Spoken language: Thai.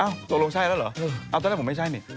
เอ้าตรงนั้นใช่แล้วหรอตอนแรกผมไม่ใช่